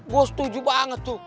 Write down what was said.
gue setuju banget tuh